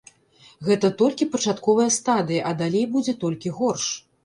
Гэта толькі пачатковая стадыя, а далей будзе толькі горш.